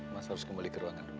mas harus kembali ke ruangan dulu